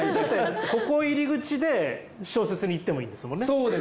ここ入り口で小説にいってもいいんですもんね。